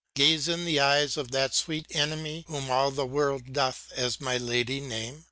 Gaze in the eyes of that sweet enemy ^hom all the world doth as my lady name !